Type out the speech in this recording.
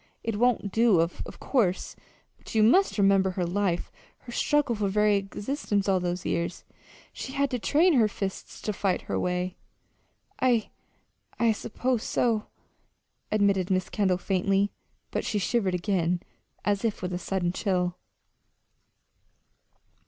"It won't do, of course; but you must remember her life, her struggle for very existence all those years. She had to train her fists to fight her way." "I I suppose so," admitted Mrs. Kendall, faintly; but she shivered again, as if with a sudden chill.